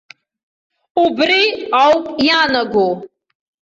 Убри ауп иаанаго.